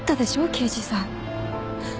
刑事さん。